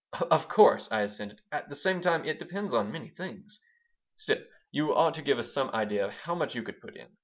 "Of course," I assented. "At the same time it depends on many things." "Still, you ought to give us some idea how much you could put in.